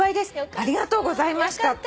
「ありがとうございました」って。